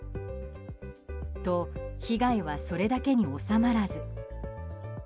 と、被害はそれだけに収まらず。